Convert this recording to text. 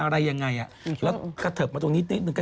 แล้วเกะเถิบมาตรงนี้นิดนึง